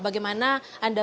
bagaimana anda menilainya